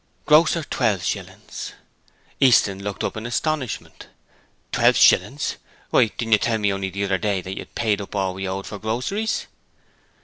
'Grocer, twelve shillings.' Easton looked up in astonishment. 'Twelve shillings. Why, didn't you tell me only the other day that you'd paid up all we owed for groceries?'